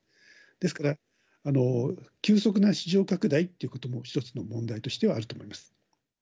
ですから、急速な市場拡大ということも、１つの問題としてはあると思います。